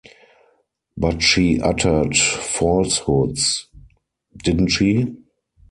But she uttered falsehoods, didn’t she?